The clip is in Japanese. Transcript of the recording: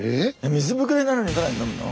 水ぶくれなのに更に飲むの！？